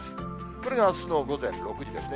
これがあすの午前６時ですね。